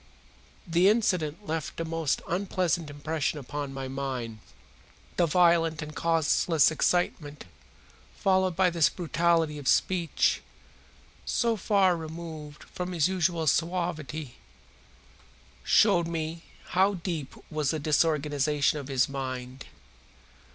The incident left a most unpleasant impression upon my mind. The violent and causeless excitement, followed by this brutality of speech, so far removed from his usual suavity, showed me how deep was the disorganization of his mind.